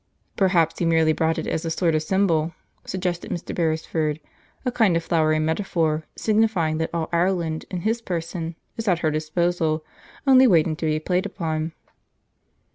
"Perhaps he merely brought it as a sort of symbol," suggested Mr. Beresford; "a kind of flowery metaphor signifying that all Ireland, in his person, is at her disposal, only waiting to be played upon."